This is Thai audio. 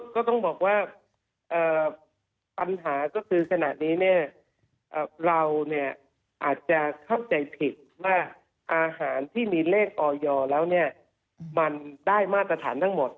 ก็ต้องบอกว่าปัญหาก็คือขณะนี้เนี่ยเราอาจจะเข้าใจผิดว่าอาหารที่มีเลขออยแล้วเนี่ยมันได้มาตรฐานทั้งหมด